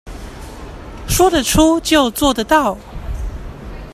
說得出就做得到